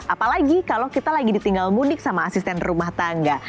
apalagi kalau kita lagi ditinggal mudik sama asisten rumah tangga